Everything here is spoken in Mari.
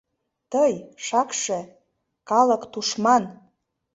— Тый — шакше, калык тушман!